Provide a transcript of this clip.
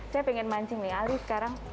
saya pengen mancing nih ali sekarang